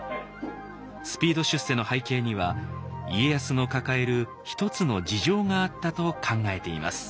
スピード出世の背景には家康の抱える一つの事情があったと考えています。